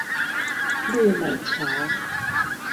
綠美橋